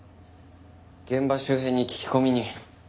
現場周辺に聞き込みに。